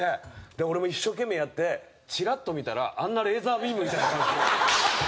俺も一生懸命やってチラッと見たらあんなレーザービームみたいな顔して。